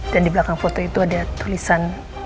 dan di belakang foto itu ada tulisan